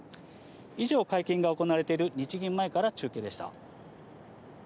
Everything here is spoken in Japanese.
以上、会見が行われている日銀前から中継でした。